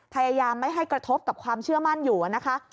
พยายามไม่ให้กระทบกับความเชื่อมั่นอยู่นะคะ